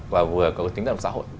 và vừa có tính tài lộc xã hội